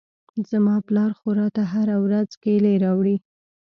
زما پلار خو راته هره ورځ کېلې راوړي.